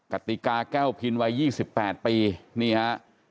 กติกาแก้วพินวัย๒๘ปีนี่ฮะ